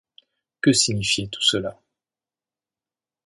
Que signifiait tout cela ?